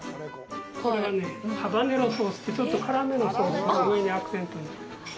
これはね、ハバネロソースって、ちょっと辛めのソースを上にアクセントにかけたんです。